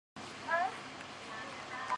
闽中十才子之一。